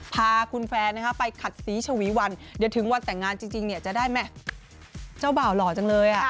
พาคุณแฟนไปขัดสีชวีวันเดี๋ยวถึงวันแต่งงานจริงจะได้แม่เจ้าบ่าวหล่อจังเลย